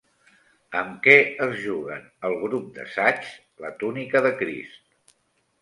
Amb què es juguen el grup de saigs la túnica de Crist?